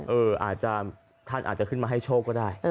งี่อาจจะท่านขึ้นมาให้โชคก็ได้